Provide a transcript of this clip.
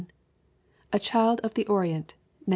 A Child of the Orient, 1914.